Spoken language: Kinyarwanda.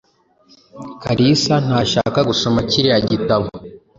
Kalisa ntashaka gusoma kiriya gitabo.